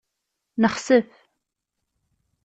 Nexsef.